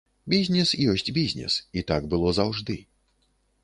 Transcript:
Бізнес ёсць бізнес, і так было заўжды.